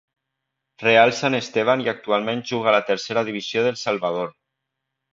Real San Esteban i actualment juga a la Tercera Divisió d'El Salvador.